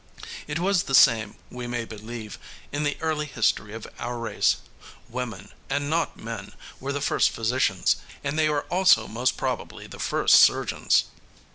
It was the same, we may believe, in the early history of our race women, and not men, were the first physicians; and they were also most probably the first surgeons.